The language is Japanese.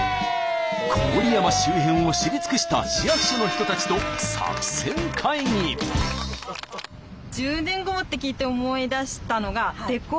郡山周辺を知り尽くした市役所の人たちと「１０年後も」って聞いて思い出したのがえっ何？